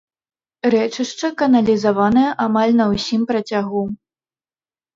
Рэчышча каналізаванае амаль на ўсім працягу.